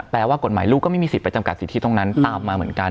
ว่ากฎหมายลูกก็ไม่มีสิทธิไปจำกัดสิทธิตรงนั้นตามมาเหมือนกัน